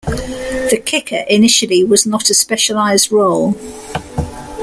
The kicker initially was not a specialized role.